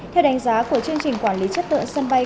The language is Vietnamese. theo đánh giá của chương trình quản lý chất tượng sân bay